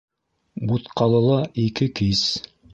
Бутҡалыла ике кис.